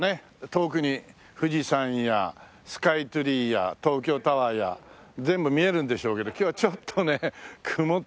遠くに富士山やスカイツリーや東京タワーや全部見えるんでしょうけど今日はちょっとね曇ってます。